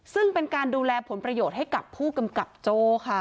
ซึ่งเป็นการดูแลผลประโยชน์ให้กับผู้กำกับโจ้ค่ะ